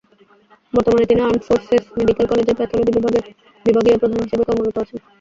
বর্তমানে তিনি armed forces medical কলেজের প্যাথলজি বিভাগের বিভাগীয় প্রধান হিসেবে কর্মরত আছেন।